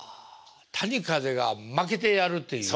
谷風が負けてやるっていう。